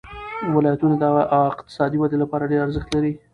ولایتونه د اقتصادي ودې لپاره ډېر ارزښت لري.